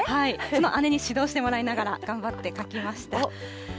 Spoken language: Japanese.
その姉に指導してもらいながら、頑張って描きました。